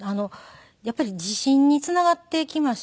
やっぱり自信につながってきまして。